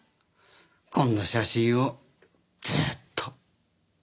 こんな写真をずっと。